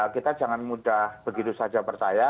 kita jangan mudah begitu saja percaya